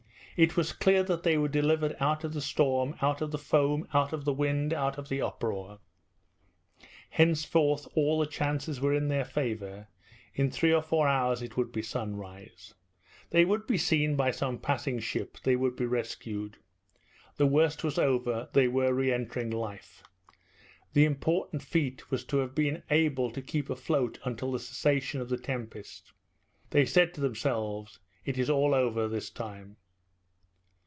It was clear that they were delivered out of the storm, out of the foam, out of the wind, out of the uproar. Henceforth all the chances were in their favour. In three or four hours it would be sunrise. They would be seen by some passing ship; they would be rescued. The worst was over; they were re entering life. The important feat was to have been able to keep afloat until the cessation of the tempest. They said to themselves, "It is all over this time."